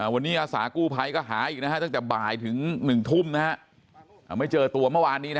วันนี้อาสากู้ภัยก็หาอีกตั้งแต่บ่ายถึง๑ทุ่มไม่เจอตัวเมื่อวานนี้